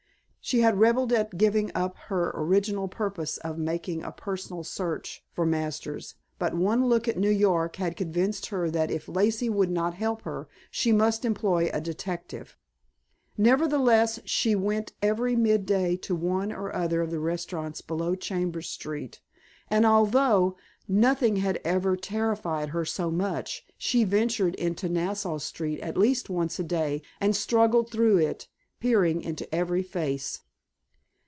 She had rebelled at giving up her original purpose of making a personal search for Masters, but one look at New York had convinced her that if Lacey would not help her she must employ a detective. Nevertheless, she went every mid day to one or other of the restaurants below Chambers Street; and, although nothing had ever terrified her so much, she ventured into Nassau Street at least once a day and struggled through it, peering into every face.